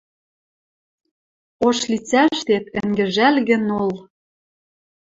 Ош лицӓштет ӹнгӹжӓлгӹ нол.